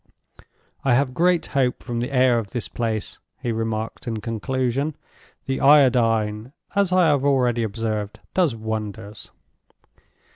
"I have great hope from the air of this place," he remarked, in conclusion. "The Iodine, as I have already observed, does wonders."